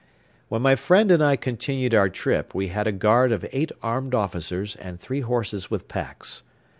When my friend and I continued our trip we had a guard of eight armed officers and three horses with packs.